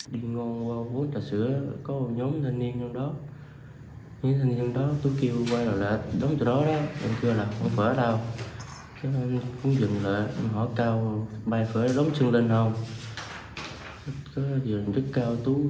nhiều vụ trọng án xảy ra